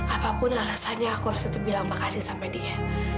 apapun alasannya aku harus tetap bilang makasih sama dia